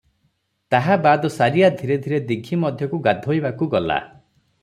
ତାହାବାଦ୍ ସାରିଆ ଧୀରେ ଧୀରେ ଦୀଘି ମଧ୍ୟକୁ ଗାଧୋଇବାକୁ ଗଲା ।